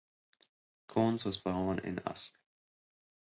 Cornes was born in Usk.